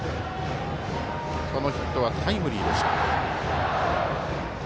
そのヒットはタイムリーでした。